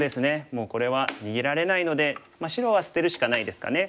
もうこれは逃げられないので白は捨てるしかないですかね。